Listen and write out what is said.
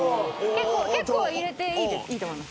結構入れていいと思います。